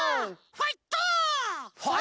ファイト！